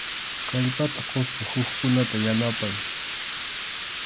Kallpata quspa hukkunata yanapay.